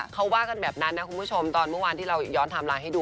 เขาว่ากันแบบนั้นนะคุณผู้ชมตอนเมื่อวานที่เราย้อนไทม์ไลน์ให้ดู